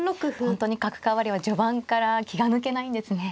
本当に角換わりは序盤から気が抜けないんですね。